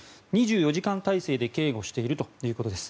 ２４時間態勢で警護しているということです。